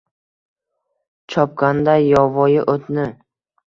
chopganiday yovvoyi oʼtni